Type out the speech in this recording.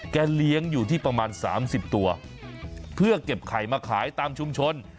เลี้ยงอยู่ที่ประมาณ๓๐ตัวเพื่อเก็บไข่มาขายตามชุมชน